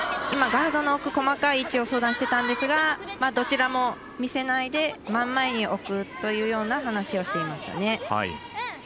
今、ガードの置く細かい位置を相談してましたがどちらも見せないで真ん前に置くというような話をしていましたね。